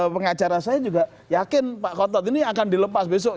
pengacara saya juga yakin pak kotot ini akan dilepas besok